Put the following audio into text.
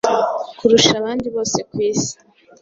kurusha abandi bose ku isi